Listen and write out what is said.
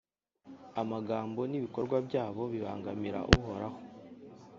Amagambo n’ibikorwa byabo bibangamira Uhoraho,